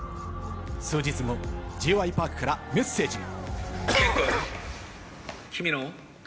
数日後、Ｊ．Ｙ．Ｐａｒｋからメッセージが。